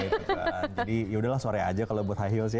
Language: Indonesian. jadi yaudahlah sore aja kalau buat high heels ya